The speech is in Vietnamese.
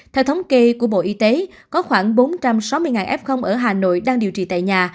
theo thống kê của bộ y tế có khoảng bốn trăm sáu mươi f ở hà nội đang điều trị tại nhà